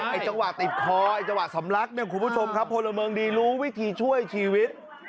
จังหวะติดคอไอ้จังหวะสำลักเนี่ยคุณผู้ชมครับพลเมืองดีรู้วิธีช่วยชีวิต